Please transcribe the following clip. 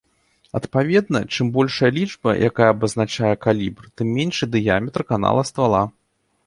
Адпаведна, чым большая лічба, якая абазначае калібр, тым меншы дыяметр канала ствала.